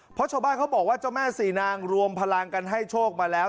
เพราะชาวบ้านเขาบอกว่าเจ้าแม่สี่นางรวมพลังกันให้โชคมาแล้ว